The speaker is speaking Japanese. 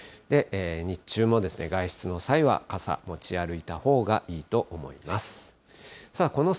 日中も外出の際は傘持ち歩いたほうがいいと思います。